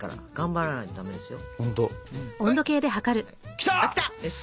きた！